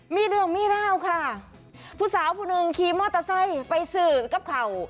มีเรื่องมีราวค่ะผู้สาวผู้หนึ่งขี่มอเตอร์ไซค์ไปสื่อกับเขา